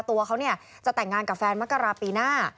ตัวเขาเนี่ยจะแต่งงานกับแฟนมะกะลาปีหน้า